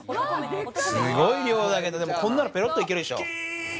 すごい量だけれども、こんなのペロっといけるでしょ？